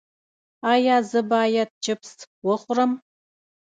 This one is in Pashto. ایا زه باید چپس وخورم؟